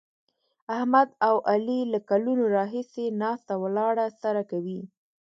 احمد او علي له کلونو راهسې ناسته ولاړه سره کوي.